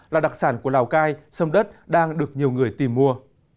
là đặc sản của lào cai sâm đất đang được nhiều người tìm mua